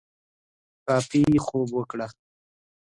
کافي خوب وکړه